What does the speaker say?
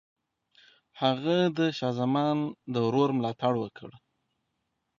هغه د شاه زمان د ورور ملاتړ وکړ.